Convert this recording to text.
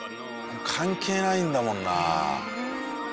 関係ないんだもんな。